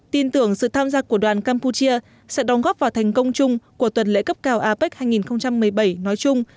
tin tưởng sự tham gia của đoàn campuchia sẽ đóng góp vào thành công chung của tuần lễ cấp cao apec hai nghìn một mươi bảy nói chung